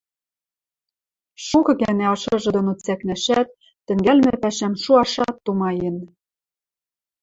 Шукы гӓнӓ ышыжы доно цӓкнӓшӓт, тӹнгӓлмӹ пӓшӓм шуашат тумаен.